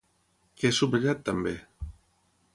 Què ha subratllat també?